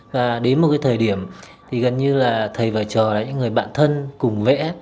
và đến một cái thời điểm thì gần như là thầy và trò là những người bạn thân cùng vẽ